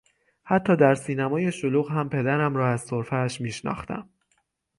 حتی در سینمای شلوغ هم پدرم را از سرفهاش میشناختم.